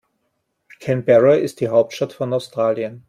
Canberra ist die Hauptstadt von Australien.